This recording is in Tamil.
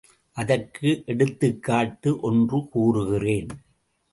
அதற்கு எடுத்துக்காட்டு ஒன்று கூறுகிறேன்.